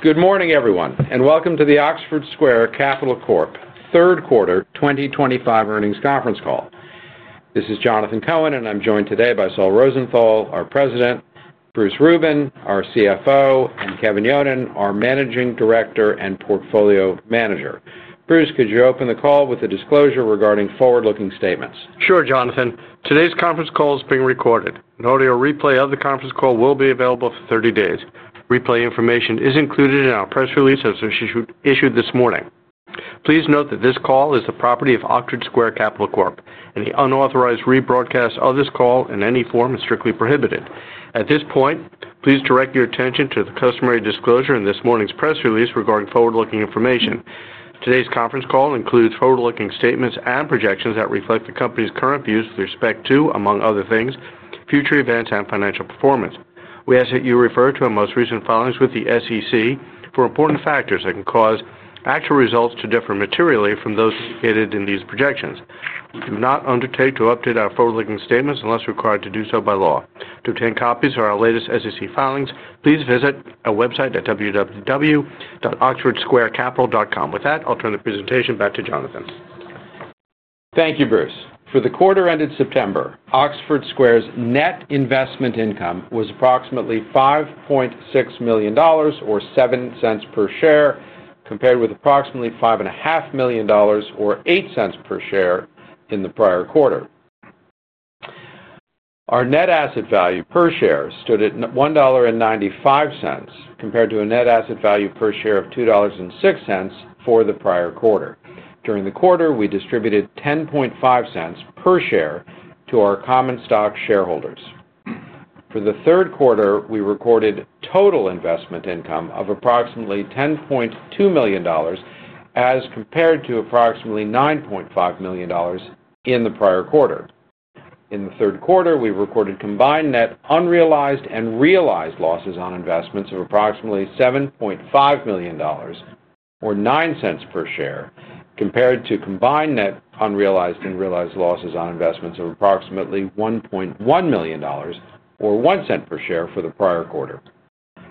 Good morning, everyone, and welcome to the Oxford Square Capital Corp third quarter 2025 earnings conference call. This is Jonathan Cohen, and I'm joined today by Saul Rosenthal, our President; Bruce Rubin, our CFO; and Kevin Yonan, our Managing Director and Portfolio Manager. Bruce, could you open the call with a disclosure regarding forward-looking statements? Sure, Jonathan. Today's conference call is being recorded, and audio replay of the conference call will be available for 30 days. Replay information is included in our press release as issued this morning. Please note that this call is the property of Oxford Square Capital Corp., and the unauthorized rebroadcast of this call in any form is strictly prohibited. At this point, please direct your attention to the customary disclosure in this morning's press release regarding forward-looking information. Today's conference call includes forward-looking statements and projections that reflect the company's current views with respect to, among other things, future events and financial performance. We ask that you refer to our most recent filings with the SEC for important factors that can cause actual results to differ materially from those indicated in these projections. We do not undertake to update our forward-looking statements unless required to do so by law. To obtain copies of our latest SEC filings, please visit our website at www.oxfordsquarecapital.com. With that, I'll turn the presentation back to Jonathan. Thank you, Bruce. For the quarter-ended September, Oxford Square's net investment income was approximately $5.6 million, or $0.07 per share, compared with approximately $5.5 million, or $0.08 per share, in the prior quarter. Our net asset value per share stood at $1.95 compared to a net asset value per share of $2.06 for the prior quarter. During the quarter, we distributed $0.105 per share to our common stock shareholders. For the third quarter, we recorded total investment income of approximately $10.2 million, as compared to approximately $9.5 million in the prior quarter. In the third quarter, we recorded combined net unrealized and realized losses on investments of approximately $7.5 million, or $0.09 per share, compared to combined net unrealized and realized losses on investments of approximately $1.1 million, or $0.01 per share, for the prior quarter.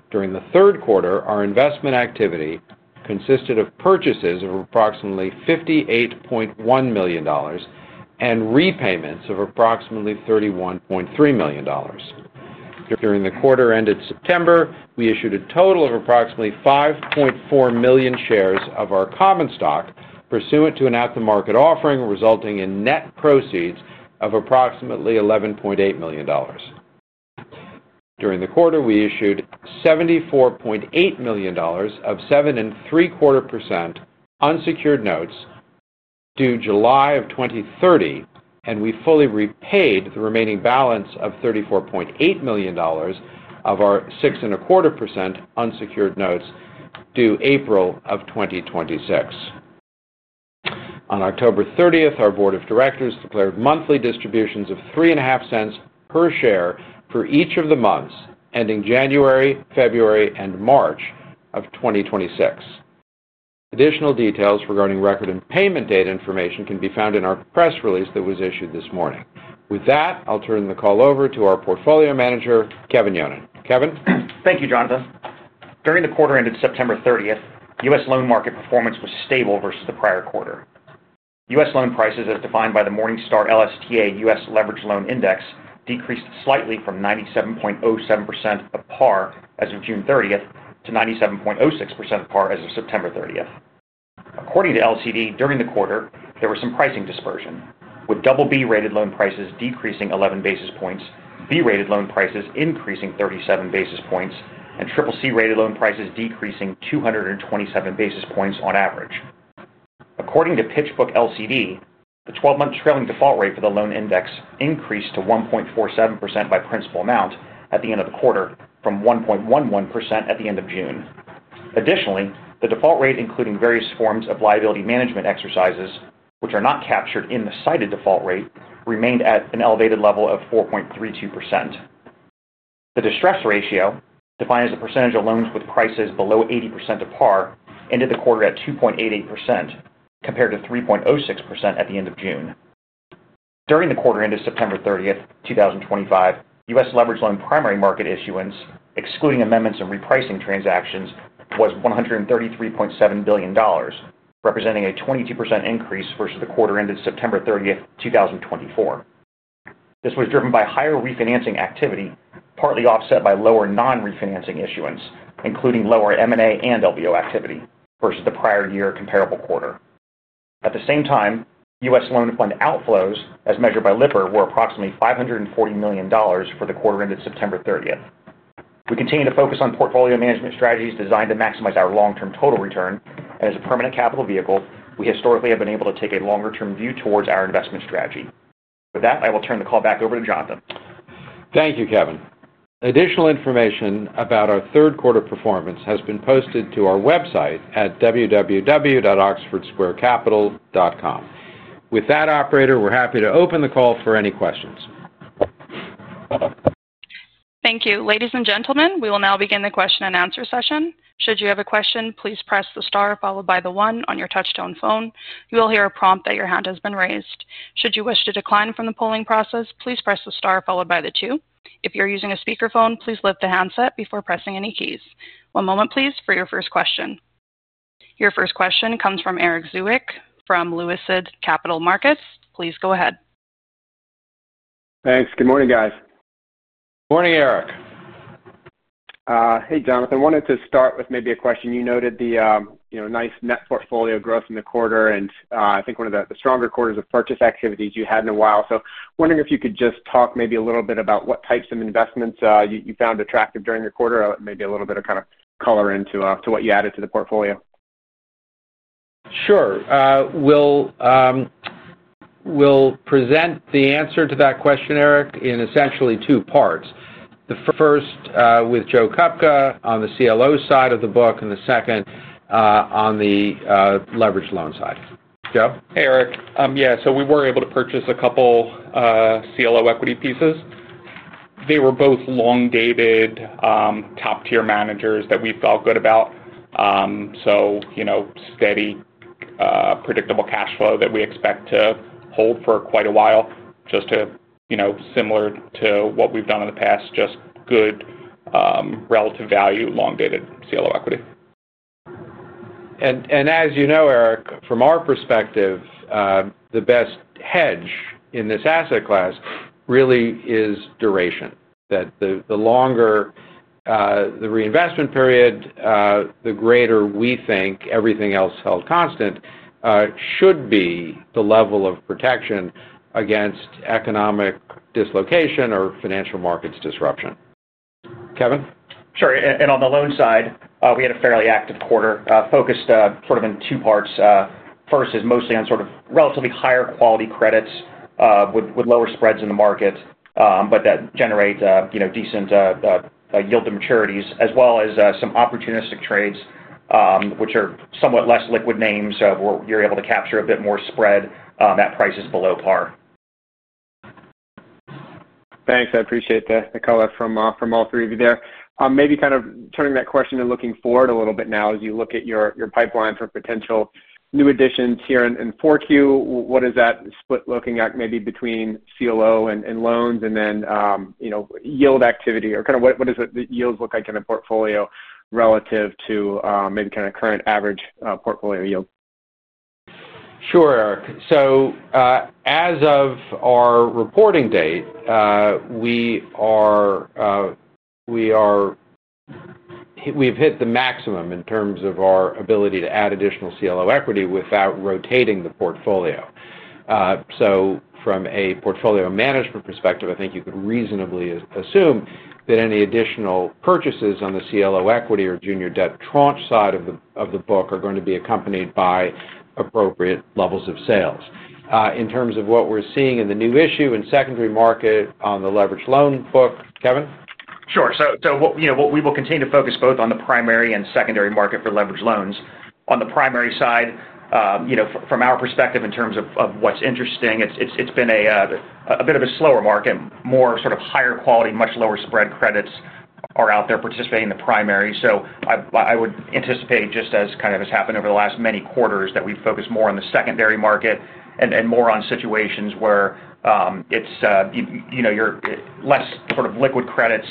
During the third quarter, our investment activity consisted of purchases of approximately $58.1 million and repayments of approximately $31.3 million. During the quarter-ended September, we issued a total of approximately 5.4 million shares of our common stock, pursuant to an aftermarket offering resulting in net proceeds of approximately $11.8 million. During the quarter, we issued $74.8 million of 7.75% unsecured notes due July of 2030, and we fully repaid the remaining balance of $34.8 million of our 6.25% unsecured notes due April of 2026. On October 30th, our board of directors declared monthly distributions of $0.035 per share for each of the months ending January, February, and March of 2026. Additional details regarding record and payment date information can be found in our press release that was issued this morning. With that, I'll turn the call over to our portfolio manager, Kevin Yonan. Kevin? Thank you, Jonathan. During the quarter ended September 30th, U.S. loan market performance was stable versus the prior quarter. U.S. loan prices, as defined by the Morningstar LSTA U.S. Leveraged Loan Index, decreased slightly from 97.07% of par as of June 30th to 97.06% of par as of September 30th. According to LCD, during the quarter, there was some pricing dispersion, with BB-rated loan prices decreasing 11 basis points, B-rated loan prices increasing 37 basis points, and CCC-rated loan prices decreasing 227 basis points on average. According to PitchBook LCD, the 12-month trailing default rate for the loan index increased to 1.47% by principal amount at the end of the quarter from 1.11% at the end of June. Additionally, the default rate, including various forms of liability management exercises, which are not captured in the cited default rate, remained at an elevated level of 4.32%. The distress ratio, defined as a percentage of loans with prices below 80% of par, ended the quarter at 2.88% compared to 3.06% at the end of June. During the quarter ended September 30th, 2025, U.S. leveraged loan primary market issuance, excluding amendments and repricing transactions, was $133.7 billion, representing a 22% increase versus the quarter ended September 30th, 2024. This was driven by higher refinancing activity, partly offset by lower non-refinancing issuance, including lower M&A and LBO activity versus the prior year comparable quarter. At the same time, U.S. loan fund outflows, as measured by LIPR, were approximately $540 million for the quarter ended September 30th. We continue to focus on portfolio management strategies designed to maximize our long-term total return, and as a permanent capital vehicle, we historically have been able to take a longer-term view towards our investment strategy. With that, I will turn the call back over to Jonathan. Thank you, Kevin. Additional information about our third quarter performance has been posted to our website at www.oxfordsquarecapital.com. With that, operator, we're happy to open the call for any questions. Thank you. Ladies and gentlemen, we will now begin the question and answer session. Should you have a question, please press the star followed by the one on your touchtone phone. You will hear a prompt that your hand has been raised. Should you wish to decline from the polling process, please press the star followed by the two. If you're using a speakerphone, please lift the handset before pressing any keys. One moment, please, for your first question. Your first question comes from Erik Zwick from Lucid Capital Markets. Please go ahead. Thanks. Good morning, guys. Morning, Erik. Hey, Jonathan. Wanted to start with maybe a question. You noted the nice net portfolio growth in the quarter, and I think one of the stronger quarters of purchase activities you had in a while. So wondering if you could just talk maybe a little bit about what types of investments you found attractive during the quarter, maybe a little bit of kind of color into what you added to the portfolio. Sure. We'll present the answer to that question, Erik, in essentially two parts. The first with Joe Kupka on the CLO side of the book, and the second on the leveraged loan side. Joe? Hey, Erik. Yeah, so we were able to purchase a couple CLO equity pieces. They were both long-dated. Top-tier managers that we felt good about. Steady, predictable cash flow that we expect to hold for quite a while, just similar to what we've done in the past, just good. Relative value, long-dated CLO equity. As you know, Erik, from our perspective, the best hedge in this asset class really is duration. The longer the reinvestment period, the greater we think everything else held constant, should be the level of protection against economic dislocation or financial markets disruption. Kevin? Sure. And on the loan side, we had a fairly active quarter focused sort of in two parts. First is mostly on sort of relatively higher quality credits with lower spreads in the market, but that generate decent yield to maturities, as well as some opportunistic trades, which are somewhat less liquid names, where you're able to capture a bit more spread at prices below par. Thanks. I appreciate the call from all three of you there. Maybe kind of turning that question to looking forward a little bit now as you look at your pipeline for potential new additions here in 4Q, what is that split looking at maybe between CLO and loans and then yield activity? Or kind of what does the yield look like in a portfolio relative to maybe kind of current average portfolio yield? Sure, Erik. As of our reporting date, we are. We've hit the maximum in terms of our ability to add additional CLO equity without rotating the portfolio. From a portfolio management perspective, I think you could reasonably assume that any additional purchases on the CLO equity or junior debt tranche side of the book are going to be accompanied by appropriate levels of sales. In terms of what we're seeing in the new issue and secondary market on the leveraged loan book, Kevin? Sure. We will continue to focus both on the primary and secondary market for leveraged loans. On the primary side, from our perspective in terms of what's interesting, it's been a bit of a slower market. More sort of higher quality, much lower spread credits are out there participating in the primary. I would anticipate, just as kind of has happened over the last many quarters, that we focus more on the secondary market and more on situations where you're less sort of liquid credits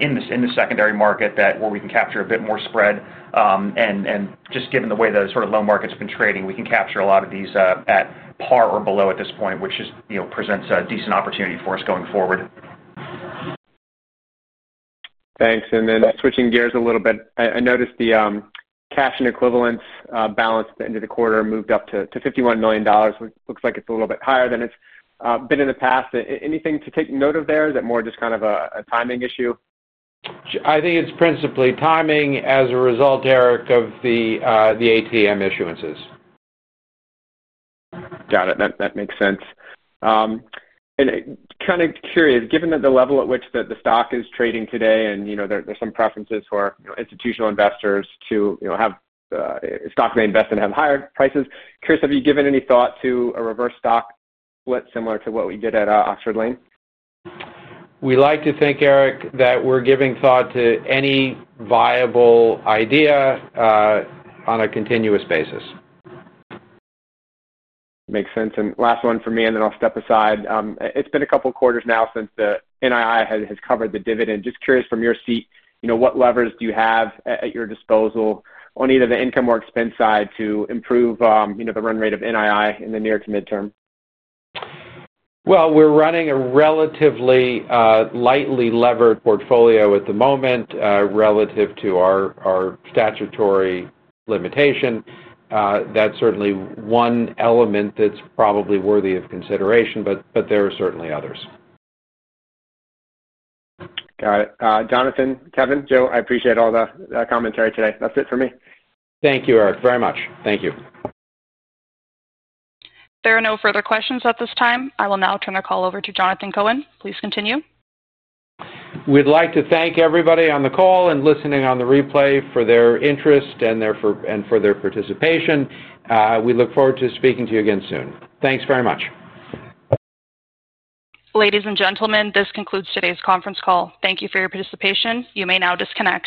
in the secondary market where we can capture a bit more spread. And just given the way the sort of loan market's been trading, we can capture a lot of these at par or below at this point, which just presents a decent opportunity for us going forward. Thanks. Switching gears a little bit, I noticed the cash and equivalents balance at the end of the quarter moved up to $51 million. Looks like it's a little bit higher than it's been in the past. Anything to take note of there? Is that more just kind of a timing issue? I think it's principally timing as a result, Erik, of the ATM issuances. Got it. That makes sense. Kind of curious, given that the level at which the stock is trading today and there's some preferences for institutional investors to have stock they invest in have higher prices, have you given any thought to a reverse stock split similar to what we did at Oxford Lane? We like to think, Erik, that we're giving thought to any viable idea on a continuous basis. Makes sense. Last one for me, and then I'll step aside. It's been a couple of quarters now since the NII has covered the dividend. Just curious from your seat, what levers do you have at your disposal on either the income or expense side to improve the run rate of NII in the near to midterm? We're running a relatively lightly levered portfolio at the moment relative to our statutory limitation. That's certainly one element that's probably worthy of consideration, but there are certainly others. Got it. Jonathan, Kevin, Joe, I appreciate all the commentary today. That's it for me. Thank you, Erik, very much. Thank you. If there are no further questions at this time, I will now turn the call over to Jonathan Cohen. Please continue. We'd like to thank everybody on the call and listening on the replay for their interest and for their participation. We look forward to speaking to you again soon. Thanks very much. Ladies and gentlemen, this concludes today's conference call. Thank you for your participation. You may now disconnect.